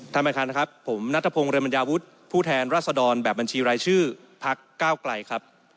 ท่านประธานนะครับผมนัทพงศ์เรมัญญาวุฒิผู้แทนรัศดรแบบบัญชีรายชื่อพักเก้าไกลครับ